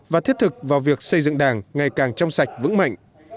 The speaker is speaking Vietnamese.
và thiết thực vào việc xây dựng đảng ngày càng trong sạch vững mạnh